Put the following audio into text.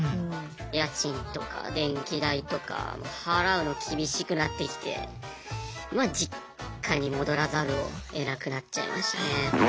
家賃とか電気代とか払うの厳しくなってきてまあ実家に戻らざるをえなくなっちゃいましたね。